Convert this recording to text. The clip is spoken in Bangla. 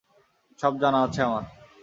সব জানা আছে আমার!